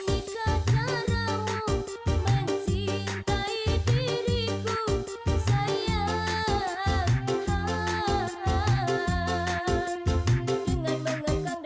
itu mah alam